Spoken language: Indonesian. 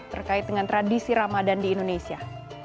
terkait dengan tradisi ramadan di indonesia